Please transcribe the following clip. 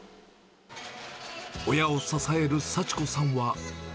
親を支える幸子さんは。